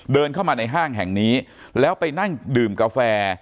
เดินเข้ามาในห้างแห่งนี้แล้วไปนั่งดื่มกาแฟ